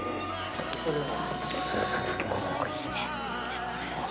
すごいですねこれ。